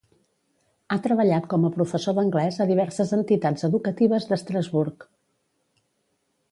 Ha treballat com a professor d'anglès a diverses entitats educatives d'Estrasburg.